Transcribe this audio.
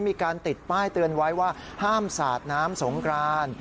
มีการติดป้ายเตือนไว้ว่าห้ามสาดน้ำสงกราน